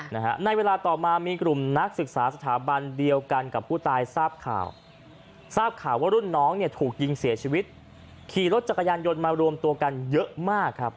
ในเวลาต่อมามีกลุ่มนักศึกษาสถาบันเดียวกันกับผู้ตายทราบข่าวทราบข่าวว่ารุ่นน้องเนี่ยถูกยิงเสียชีวิตขี่รถจักรยานยนต์มารวมตัวกันเยอะมากครับ